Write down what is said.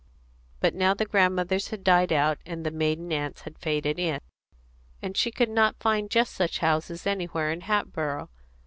But now the grandmothers had died out, and the maiden aunts had faded in, and she could not find just such houses anywhere in Hatboro'.